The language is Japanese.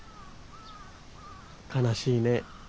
悲しいね。